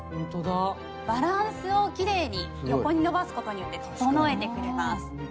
バランスを奇麗に横に伸ばすことによって整えてくれます。